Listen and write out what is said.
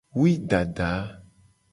Wui dada.